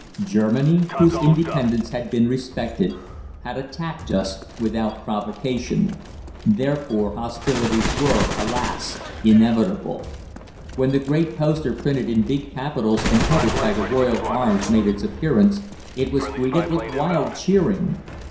Germany, whose independence had been respected, had attacked us without provocation; therefore hostilities were, alas, inevitable. When the great poster printed in big capitals and headed by the Royal Arms made its appearance it was greeted with wild cheering.